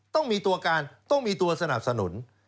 ต้องมีตัวการต้องมีตัวสนับสนุน